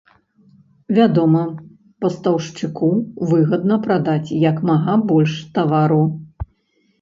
Вядома, пастаўшчыку выгадна прадаць як мага больш тавару.